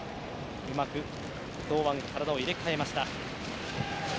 うまく堂安、体を入れ替えました。